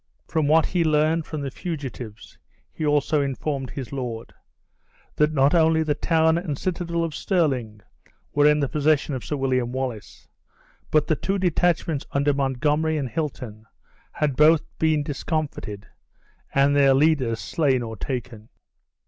From what he learned from the fugitives, he also informed his lord, "that not only the town and citadel of Stirling were in the possession of Sir William Wallace, but the two detachments under Montgomery and Hilton had both been discomfited, and their leaders slain or taken."